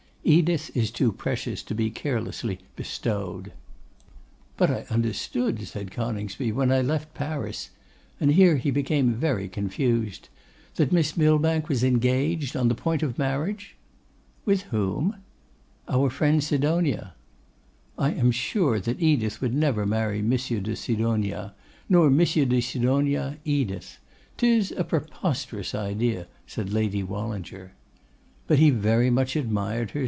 Edith is too precious to be carelessly bestowed.' 'But I understood,' said Coningsby, 'when I left Paris,' and here, he became very confused, 'that Miss Millbank was engaged, on the point of marriage.' 'With whom?' 'Our friend Sidonia.' 'I am sure that Edith would never marry Monsieur de Sidonia, nor Monsieur de Sidonia, Edith. 'Tis a preposterous idea!' said Lady Wallinger. 'But he very much admired her?